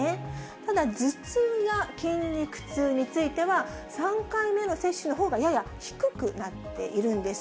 ただ、頭痛や筋肉痛については、３回目の接種のほうがやや低くなっているんです。